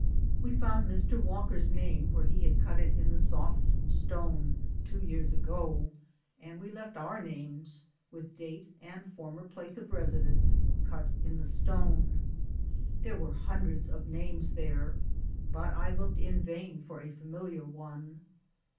We found Mr. Walker's name where he had cut it in the soft stone two years ago, and we left our names, with date and former place of resi dence, cut in the stone. There were hun dreds of names there, but I looked in vain for a familiar one.